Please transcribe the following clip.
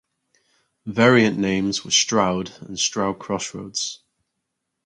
Variant names were "Stroud" and "Stroud Crossroads".